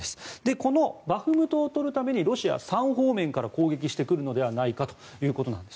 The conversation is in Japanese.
このバフムトを取るためにロシアは３方面から攻撃してくるのではないかということです。